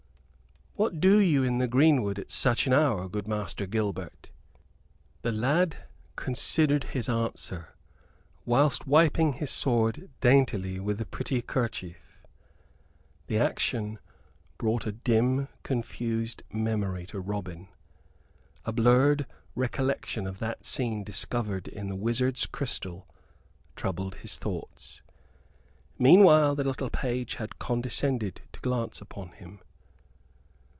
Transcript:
"What do you in the greenwood at such an hour, good Master Gilbert?" The lad considered his answer, whilst wiping his sword daintily with a pretty kerchief. The action brought a dim confused memory to Robin a blurred recollection of that scene discovered in the wizard's crystal troubled his thoughts. Meanwhile the little page had condescended to glance upon him.